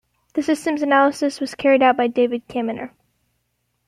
The systems analysis was carried out by David Caminer.